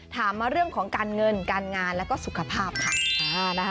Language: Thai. ถามมาเรื่องของการเงินการงานแล้วก็สุขภาพค่ะ